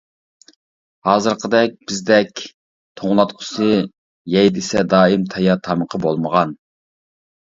ھازىرقىدەك بىزدەك توڭلاتقۇسى، يەي دېسە دائىم تەييار تامىقى بولمىغان.